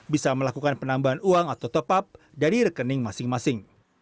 bisa melakukan penambahan uang atau top up dari rekening masing masing